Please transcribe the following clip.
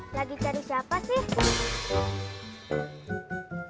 lagi cari siapa sih